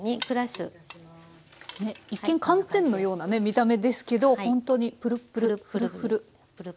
一見寒天のようなね見た目ですけどほんとにプルプルフルフル。